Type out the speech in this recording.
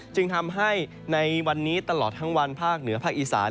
จึงทำให้ในวันนี้ตลอดทั้งวันภาคเหนือภาคอีสาน